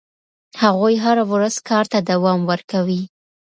هغوی هره ورځ کار ته دوام ورکوي.